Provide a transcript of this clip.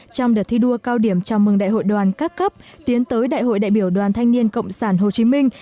trong đợt thi đua cao điểm chào mừng đại hội đoàn các cấp tiến tới đại hội đại biểu đoàn thanh niên cộng sản hồ chí minh